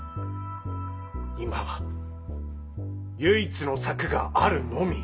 今は唯一の策があるのみ。